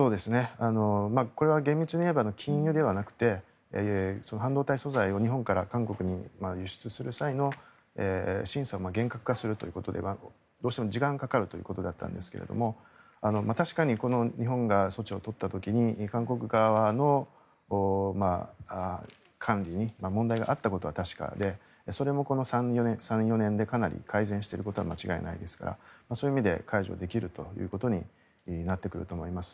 これは厳密にいえば禁輸ではなくて半導体素材を日本から韓国に輸出する際の審査を厳格化するということでどうしても時間がかかるということだったんですが確かに日本が措置を取った時に韓国側の管理に問題があったことは確かでそれもこの３４年でかなり改善していることは間違いないですからそういう意味で解除できるということになってくると思います。